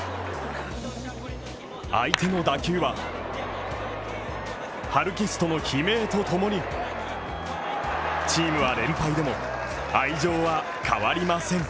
相手の打球はハルキストの悲鳴とともに、チームは連敗でも愛情は変わりません。